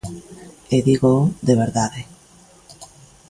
E dígoo de verdade.